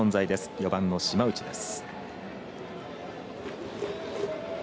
４番の島内です。